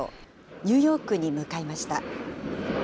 ニューヨークに向かいました。